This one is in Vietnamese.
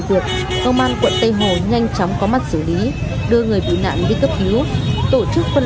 cuộc công an quận tây hồ nhanh chóng có mặt xử lý đưa người bị nạn đi cấp cứu tổ chức phân